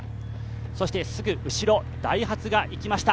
そしてすぐ後ろ、ダイハツが行きました。